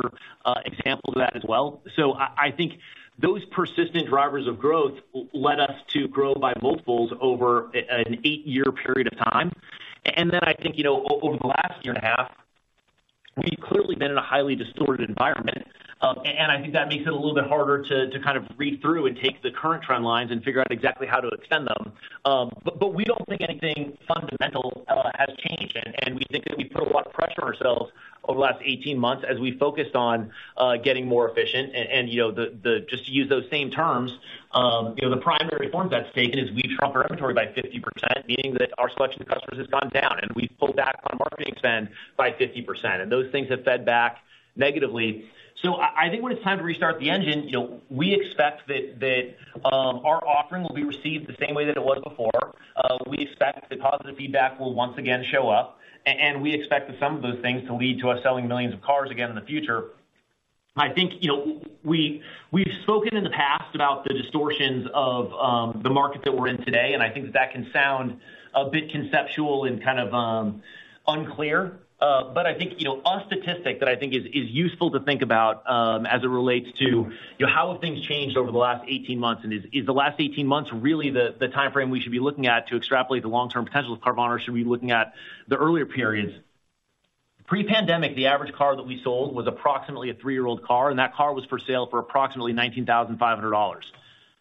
examples of that as well. So I think those persistent drivers of growth led us to grow by multiples over an eight-year period of time. And then I think, you know, over the last year and a half, we've clearly been in a highly distorted environment, and I think that makes it a little bit harder to kind of read through and take the current trend lines and figure out exactly how to extend them. But we don't think anything fundamental has changed, and we think that we put a lot of pressure on ourselves over the last 18 months as we focused on getting more efficient. You know, just to use those same terms, you know, the primary form that's taken is we've dropped our inventory by 50%, meaning that our selection to customers has gone down, and we've pulled back on marketing spend by 50%, and those things have fed back negatively. So I think when it's time to restart the engine, you know, we expect that our offering will be received the same way that it was before. We expect the positive feedback will once again show up, and we expect that some of those things to lead to us selling millions of cars again in the future. I think, you know, we've spoken in the past about the distortions of the market that we're in today, and I think that can sound a bit conceptual and kind of unclear. But I think, you know, a statistic that I think is useful to think about, as it relates to, you know, how have things changed over the last 18 months, and is the last 18 months really the timeframe we should be looking at to extrapolate the long-term potential of Carvana, or should we be looking at the earlier periods? Pre-pandemic, the average car that we sold was approximately a 3-year-old car, and that car was for sale for approximately $19,500.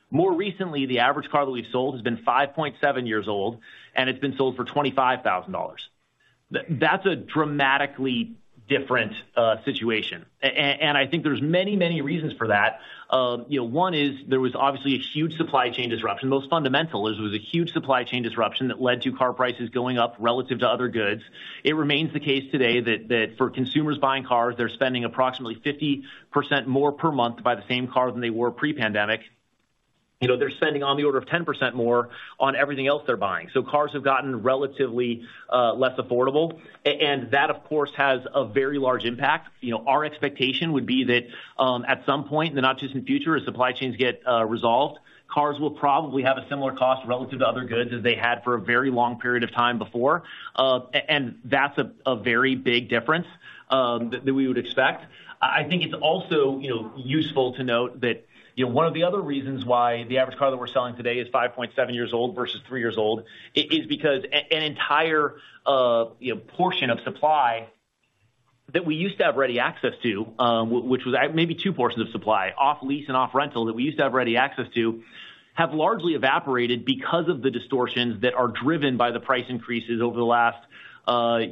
More recently, the average car that we've sold has been 5.7 years old, and it's been sold for $25,000. That's a dramatically different situation. And I think there's many, many reasons for that. You know, one is there was obviously a huge supply chain disruption. Most fundamentally, was a huge supply chain disruption that led to car prices going up relative to other goods. It remains the case today that for consumers buying cars, they're spending approximately 50% more per month to buy the same car than they were pre-pandemic. You know, they're spending on the order of 10% more on everything else they're buying. So cars have gotten relatively less affordable, and that, of course, has a very large impact. You know, our expectation would be that at some point in the not too distant future, as supply chains get resolved, cars will probably have a similar cost relative to other goods as they had for a very long period of time before. And that's a very big difference that we would expect. I think it's also, you know, useful to note that, you know, one of the other reasons why the average car that we're selling today is 5.7 years old versus three years old is because an entire, you know, portion of supply that we used to have ready access to, which was maybe two portions of supply, off lease and off rental, that we used to have ready access to, have largely evaporated because of the distortions that are driven by the price increases over the last,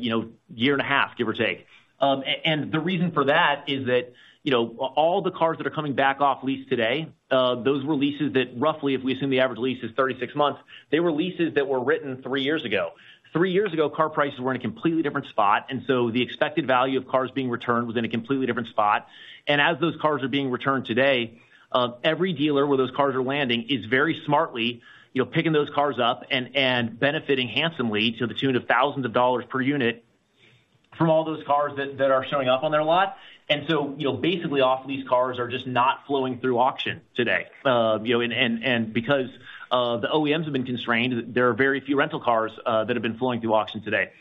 you know, year and a half, give or take. And the reason for that is that, you know, all the cars that are coming back off lease today, those were leases that roughly, if we assume the average lease is 36 months, they were leases that were written three years ago. Three years ago, car prices were in a completely different spot, and so the expected value of cars being returned was in a completely different spot. As those cars are being returned today, every dealer where those cars are landing is very smartly, you know, picking those cars up and benefiting handsomely to the tune of thousands of dollars per unit from all those cars that are showing up on their lot. So, you know, basically, off-lease cars are just not flowing through auction today. You know, and because the OEMs have been constrained, there are very few rental cars that have been flowing through auction today.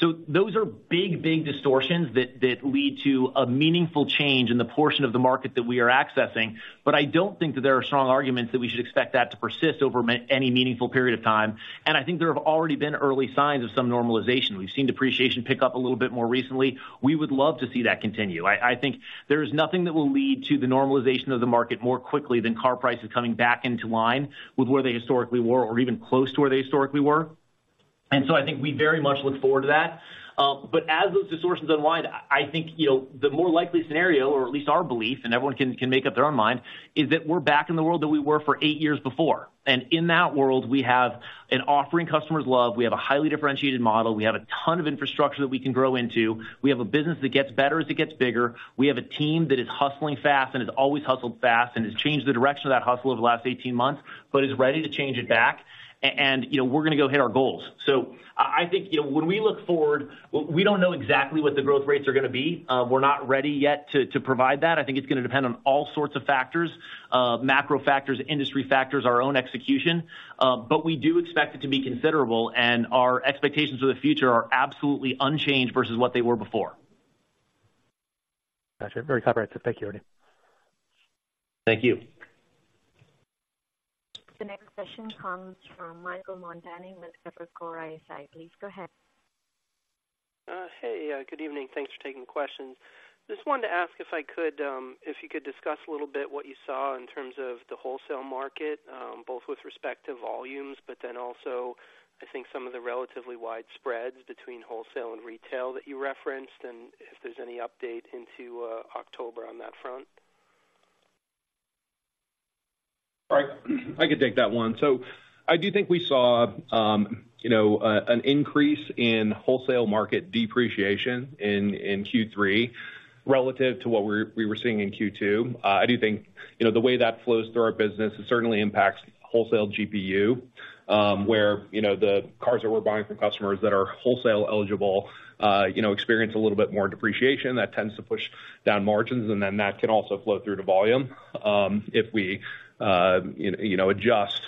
So those are big, big distortions that lead to a meaningful change in the portion of the market that we are accessing. But I don't think that there are strong arguments that we should expect that to persist over any meaningful period of time, and I think there have already been early signs of some normalization. We've seen depreciation pick up a little bit more recently. We would love to see that continue. I, I think there is nothing that will lead to the normalization of the market more quickly than car prices coming back into line with where they historically were or even close to where they historically were. And so I think we very much look forward to that. But as those distortions unwind, I, I think, you know, the more likely scenario, or at least our belief, and everyone can, can make up their own mind, is that we're back in the world that we were for eight years before. And in that world, we have an offering customers love, we have a highly differentiated model, we have a ton of infrastructure that we can grow into, we have a business that gets better as it gets bigger, we have a team that is hustling fast and has always hustled fast and has changed the direction of that hustle over the last 18 months, but is ready to change it back, and, you know, we're going to go hit our goals. So I, I think, you know, when we look forward, we don't know exactly what the growth rates are going to be. We're not ready yet to provide that. I think it's going to depend on all sorts of factors, macro factors, industry factors, our own execution, but we do expect it to be considerable, and our expectations for the future are absolutely unchanged versus what they were before. Got you. Very comprehensive. Thank you, Ernie. Thank you. The next question comes from Michael Montani with Evercore ISI. Please go ahead. Hey, good evening. Thanks for taking the questions. Just wanted to ask if I could, if you could discuss a little bit what you saw in terms of the wholesale market, both with respect to volumes, but then also, I think some of the relatively wide spreads between wholesale and retail that you referenced, and if there's any update into October on that front. All right. I can take that one. So I do think we saw, you know, an increase in wholesale market depreciation in Q3 relative to what we were seeing in Q2. I do think, you know, the way that flows through our business, it certainly impacts wholesale GPU, where, you know, the cars that we're buying from customers that are wholesale eligible, you know, experience a little bit more depreciation. That tends to push down margins, and then that can also flow through to volume, if we, you know, adjust,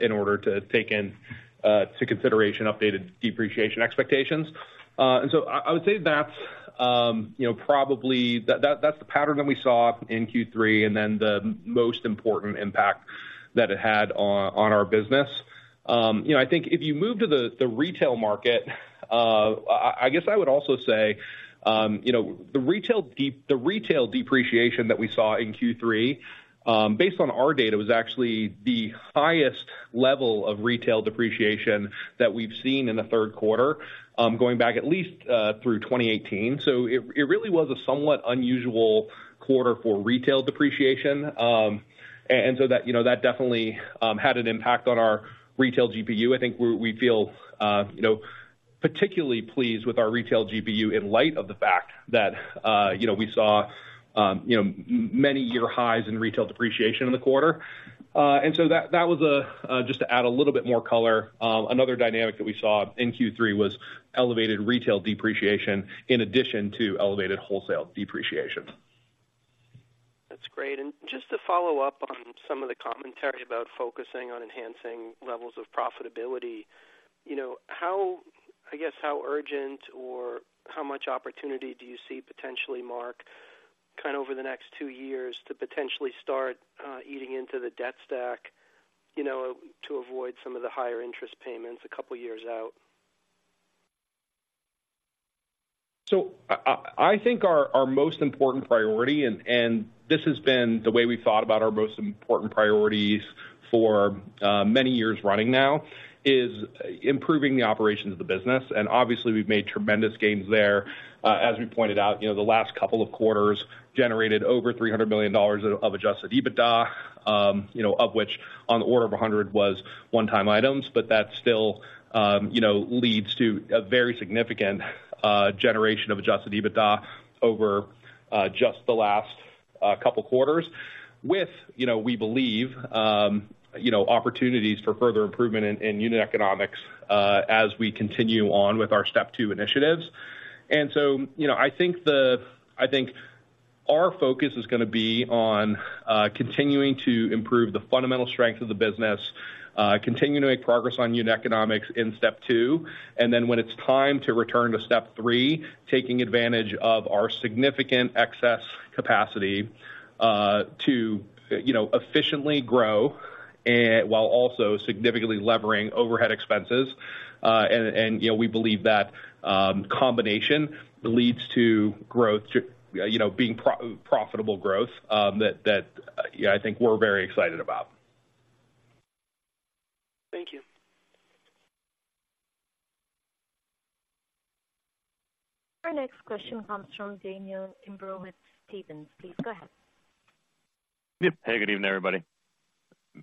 in order to take into consideration updated depreciation expectations. And so I would say that's probably the pattern that we saw in Q3, and then the most important impact that it had on our business. You know, I think if you move to the retail market, I guess I would also say, you know, the retail depreciation that we saw in Q3, based on our data, was actually the highest level of retail depreciation that we've seen in the third quarter, going back at least through 2018. So it really was a somewhat unusual quarter for retail depreciation. And so that, you know, that definitely had an impact on our retail GPU. I think we feel, you know, particularly pleased with our retail GPU in light of the fact that, you know, we saw, you know, many year highs in retail depreciation in the quarter. And so that was just to add a little bit more color, another dynamic that we saw in Q3 was elevated retail depreciation in addition to elevated wholesale depreciation. That's great. And just to follow up on some of the commentary about focusing on enhancing levels of profitability, you know, how, I guess, how urgent or how much opportunity do you see potentially, Mark, kind of over the next two years to potentially start eating into the debt stack, you know, to avoid some of the higher interest payments a couple years out? So I think our most important priority, and this has been the way we've thought about our most important priorities for many years running now, is improving the operations of the business, and obviously, we've made tremendous gains there. As we pointed out, you know, the last couple of quarters generated over $300 million of adjusted EBITDA, you know, of which on the order of 100 was one-time items, but that still, you know, leads to a very significant generation of adjusted EBITDA over just the last couple quarters. With, you know, we believe, you know, opportunities for further improvement in unit economics, as we continue on with our Step 2 initiatives. And so, you know, I think our focus is going to be on continuing to improve the fundamental strength of the business, continuing to make progress on unit economics in Step 2, and then when it's time to return to Step 3, taking advantage of our significant excess capacity to, you know, efficiently grow while also significantly levering overhead expenses. You know, we believe that combination leads to growth, to, you know, being profitable growth that yeah, I think we're very excited about. Thank you. Our next question comes from Daniel Imbro with Stephens. Please go ahead. Yep. Hey, good evening, everybody.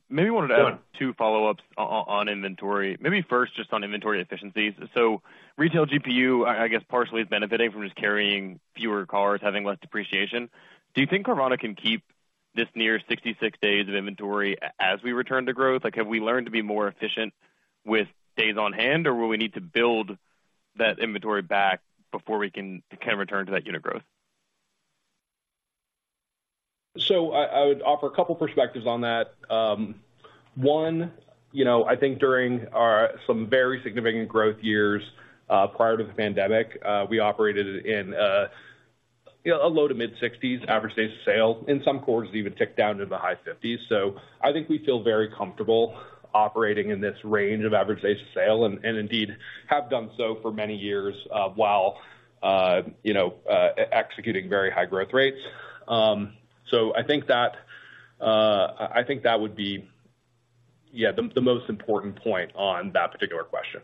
Maybe wanted to add two follow-ups on inventory. Maybe first, just on inventory efficiencies. So retail GPU, I guess, partially is benefiting from just carrying fewer cars, having less depreciation. Do you think Carvana can keep this near 66 days of inventory as we return to growth? Like, have we learned to be more efficient with days on hand, or will we need to build that inventory back before we can, kind of, return to that unit growth? So I would offer a couple perspectives on that. One, you know, I think during our, some very significant growth years, prior to the pandemic, we operated in, you know, a low- to mid-60s average days of sale, in some quarters, even ticked down to the high 50s. So I think we feel very comfortable operating in this range of average days of sale, and indeed have done so for many years, while, you know, executing very high growth rates. So I think that, I think that would be, yeah, the most important point on that particular question.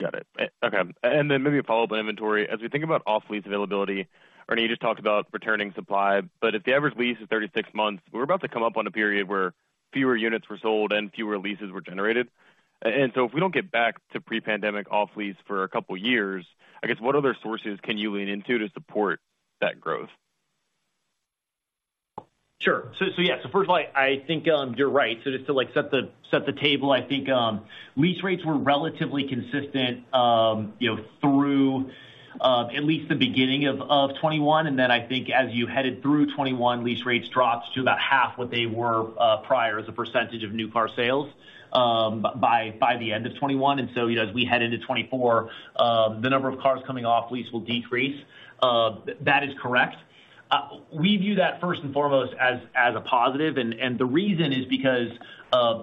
Got it. Okay. Then maybe a follow-up on inventory. As we think about off-lease availability, Ernie, you just talked about returning supply, but if the average lease is 36 months, we're about to come up on a period where fewer units were sold and fewer leases were generated. And so if we don't get back to pre-pandemic off-lease for a couple years, I guess, what other sources can you lean into to support that growth? Sure. Yeah, first of all, I think you're right. So just to, like, set the table, I think lease rates were relatively consistent, you know, through at least the beginning of 2021. And then I think as you headed through 2021, lease rates dropped to about half what they were prior, as a percentage of new car sales, by the end of 2021. And so, you know, as we head into 2024, the number of cars coming off lease will decrease. That is correct. We view that first and foremost as a positive. The reason is because,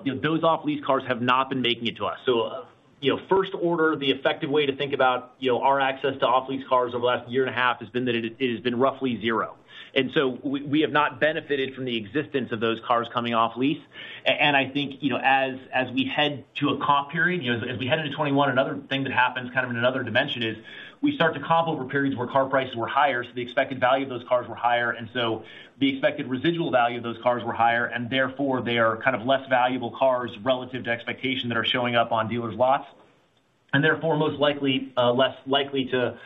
you know, those off-lease cars have not been making it to us. So, you know, first order, the effective way to think about, you know, our access to off-lease cars over the last year and a half has been that it has been roughly zero. And so we, we have not benefited from the existence of those cars coming off lease. And I think, you know, as we head to a comp period, you know, as we head into 2021, another thing that happens, kind of, in another dimension is, we start to comp over periods where car prices were higher, so the expected value of those cars were higher, and so the expected residual value of those cars were higher, and therefore, they are kind of less valuable cars relative to expectation that are showing up on dealers' lots. And therefore, most likely less likely to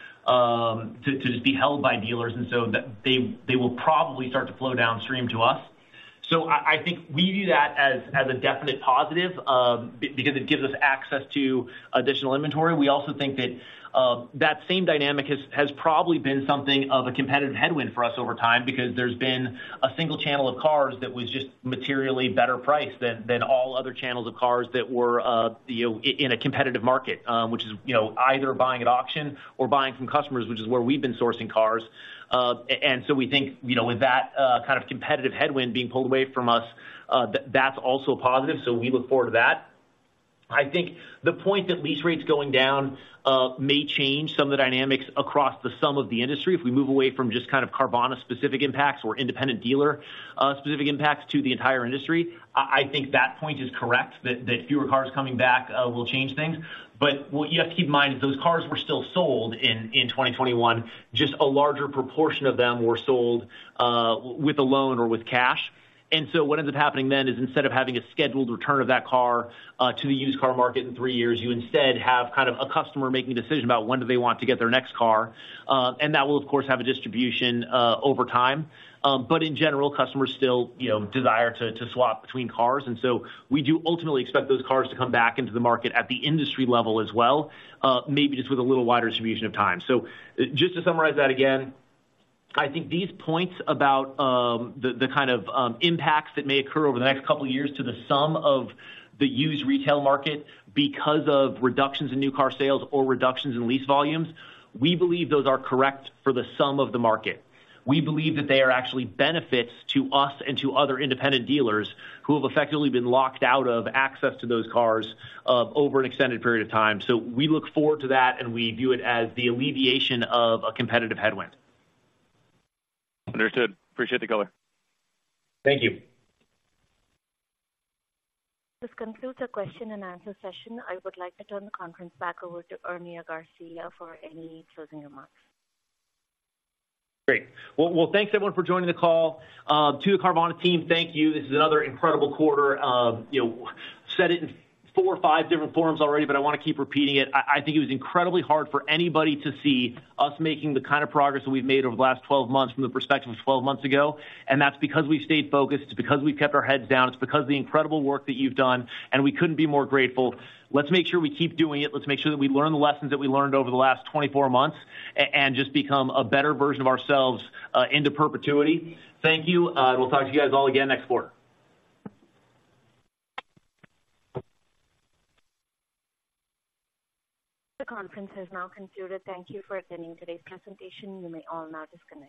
just be held by dealers, and so they will probably start to flow downstream to us. So I think we view that as a definite positive because it gives us access to additional inventory. We also think that that same dynamic has probably been something of a competitive headwind for us over time because there's been a single channel of cars that was just materially better priced than all other channels of cars that were, you know, in a competitive market. Which is, you know, either buying at auction or buying from customers, which is where we've been sourcing cars. And so we think, you know, with that kind of competitive headwind being pulled away from us, that's also a positive, so we look forward to that. I think the point that lease rates going down may change some of the dynamics across some of the industry. If we move away from just kind of Carvana-specific impacts or independent dealer specific impacts to the entire industry, I think that point is correct, that fewer cars coming back will change things. But what you have to keep in mind is those cars were still sold in 2021, just a larger proportion of them were sold with a loan or with cash. And so what ends up happening then is instead of having a scheduled return of that car to the used car market in three years, you instead have kind of a customer making a decision about when do they want to get their next car. And that will, of course, have a distribution over time. But in general, customers still, you know, desire to, to swap between cars, and so we do ultimately expect those cars to come back into the market at the industry level as well, maybe just with a little wider distribution of time. So just to summarize that again, I think these points about the kind of impacts that may occur over the next couple of years to the sum of the used retail market because of reductions in new car sales or reductions in lease volumes, we believe those are correct for the sum of the market. We believe that they are actually benefits to us and to other independent dealers who have effectively been locked out of access to those cars over an extended period of time. So we look forward to that, and we view it as the alleviation of a competitive headwind. Understood. Appreciate the color. Thank you. This concludes the question-and-answer session. I would like to turn the conference back over to Ernie Garcia for any closing remarks. Great. Well, thanks, everyone, for joining the call. To the Carvana team, thank you. This is another incredible quarter. You know, said it in four or five different forums already, but I wanna keep repeating it. I think it was incredibly hard for anybody to see us making the kind of progress that we've made over the last 12 months from the perspective of 12 months ago. And that's because we've stayed focused, it's because we've kept our heads down, it's because of the incredible work that you've done, and we couldn't be more grateful. Let's make sure we keep doing it. Let's make sure that we learn the lessons that we learned over the last 24 months and just become a better version of ourselves into perpetuity. Thank you. We'll talk to you guys all again next quarter. The conference has now concluded. Thank you for attending today's presentation. You may all now disconnect.